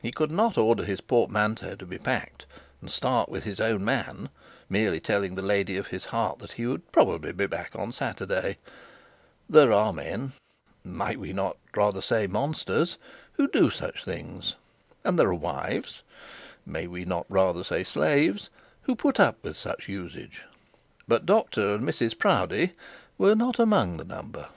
He could not order his portmanteau to be packed, and start with his own man, merely telling the lady of his heart that he would probably be back on Saturday. There are men may we not rather say monsters? who do such things; and there are wives may we not rather say slaves? who put up with such usage. But Dr and Mrs Proudie were not among the number.